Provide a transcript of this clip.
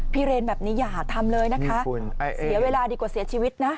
เรนแบบนี้อย่าทำเลยนะคะเสียเวลาดีกว่าเสียชีวิตนะ